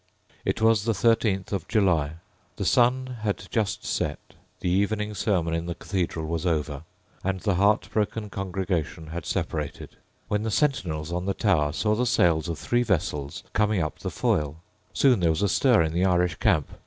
It was the thirtieth of July. The sun had just set: the evening sermon in the cathedral was over; and the heartbroken congregation had separated, when the sentinels on the tower saw the sails of three vessels coming up the Foyle. Soon there was a stir in the Irish camp.